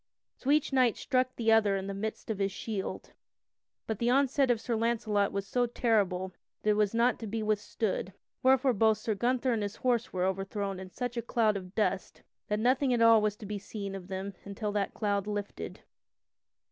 So each knight struck the other in the midst of his shield, but the onset of Sir Launcelot was so terrible that it was not to be withstood, wherefore both Sir Gunther and his horse were overthrown in such a cloud of dust that nothing at all was to be seen of them until that cloud lifted.